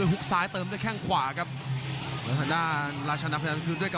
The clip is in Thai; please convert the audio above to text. เหมือนไปเลย